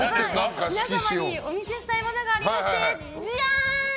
皆さんにお見せしたいものがありましてジャン！